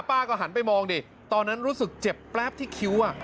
ป้าก็หันไปมองดิตอนนั้นรู้สึกเจ็บแป๊บที่คิ้ว